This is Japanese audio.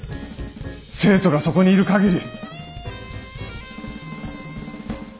生徒がそこにいる限り。